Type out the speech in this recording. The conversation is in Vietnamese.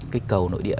kích cầu nội địa